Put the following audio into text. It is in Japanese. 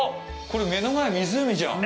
これ、目の前、湖じゃん！